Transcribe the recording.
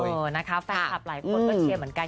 แฟนคลับหลายคนเครียมเหมือนกัน